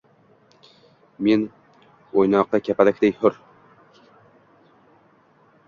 Men oʼynoqi kapalakday hur